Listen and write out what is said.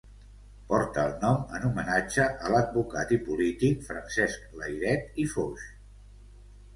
Porta el nom en homenatge a l'advocat i polític Francesc Layret i Foix.